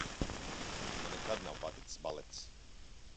Man nekad nav paticis balets!